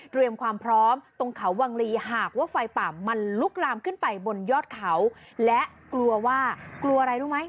ความพร้อมตรงเขาวังลีหากว่าไฟป่ามันลุกลามขึ้นไปบนยอดเขาและกลัวว่ากลัวอะไรรู้ไหม